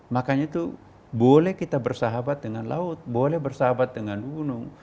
makanya itu boleh kita bersahabat dengan laut boleh bersahabat dengan gunung